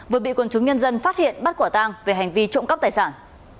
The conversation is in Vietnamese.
vừa bị quân chúng nhân dân phát hiện bắt quả tang về hành vi trộm cắp tài sản